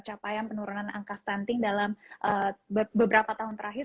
capaian penurunan angka stunting dalam beberapa tahun terakhir